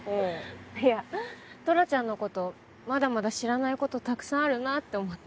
いやトラちゃんの事まだまだ知らない事たくさんあるなって思って。